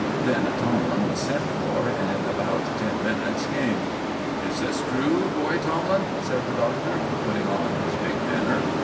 Then Tomlin was sent for, and in about ten minutes came. "Is this true, boy Tomlin?" said the Doctor, putting on his big manner.